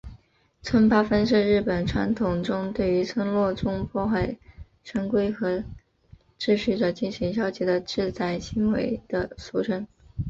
村八分是日本传统中对于村落中破坏成规和秩序者进行消极的制裁行为的俗称。